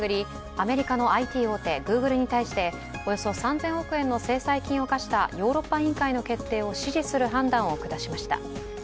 アメリカのＩＴ大手、グーグルに対して、およそ３０００億円の制裁金を科したヨーロッパ委員会の決定を支持する判断を下しました。